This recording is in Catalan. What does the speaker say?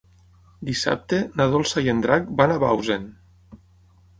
Dissabte na Dolça i en Drac van a Bausen.